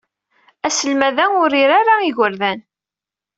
Aselmad-a ur iri ara igerdan.